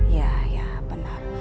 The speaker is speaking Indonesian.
ya ya benar